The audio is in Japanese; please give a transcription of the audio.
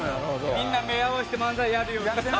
みんな目合わせて漫才やるようにやってな